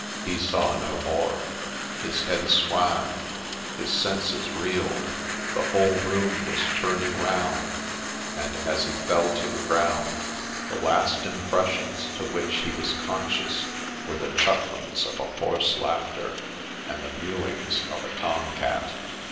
He saw no more ; his head swam ; his senses reeled, the whole room was turning round, and, as he fell to the ground, the last impressions to which he was conscious were the chuck lings of a hoarse laughter, and the mewings of a torn cat